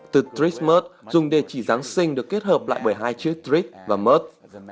từ tris mert dùng đề chỉ giáng sinh được kết hợp lại bởi hai chữ tris và mert